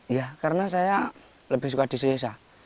ya karena saya lebih suka di sisa